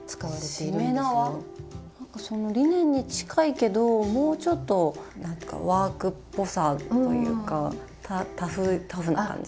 なんかそのリネンに近いけどもうちょっとなんかワークっぽさというかタフな感じ。